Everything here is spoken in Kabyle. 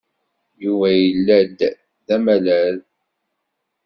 Yuba yella-d d amalal.